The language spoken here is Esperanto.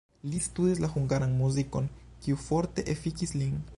Li studis la hungaran muzikon, kiu forte efikis lin.